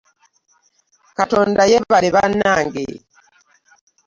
Katonda yeebale banange.